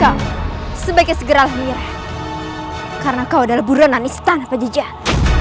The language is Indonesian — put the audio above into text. kau sebagai segera lahir karena kau dalam buruan anistan pejajar